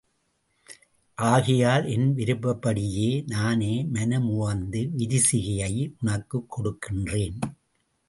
ஆகையால் என் விருப்பப்படி நானே மனமுவந்து விரிசிகையை உனக்குக் கொடுக்கின்றேன்.